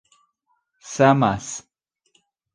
samas